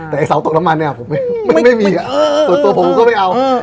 แต่เสาตกน้ำมันผมไม่มีตัวผมก็ไม่เอา